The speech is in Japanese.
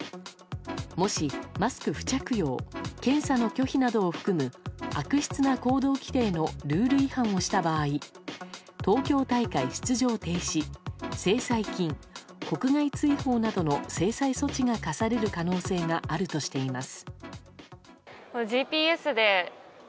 もし、マスク不着用検査の拒否などを含む悪質な行動規定のルール違反をした場合東京大会出場停止、制裁金国外追放などの制裁措置が課される可能性があるとしています。